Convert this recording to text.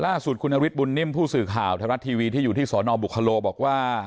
ล่าสุดคุณนฤทธบุญนิ่มผู้สื่อข่าวไทยรัฐทีวีที่อยู่ที่สนบุคโลบอกว่า